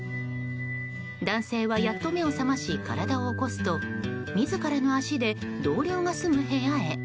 男性はやっと目を覚まし体を起こすと自らの足で同僚が住む部屋へ。